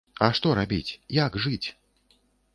А што рабіць, як жыць?